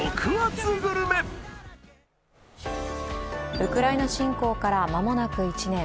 ウクライナ侵攻から間もなく１年。